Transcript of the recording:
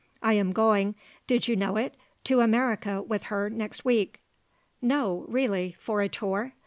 I am going, did you know it, to America with her next week." "No; really; for a tour?"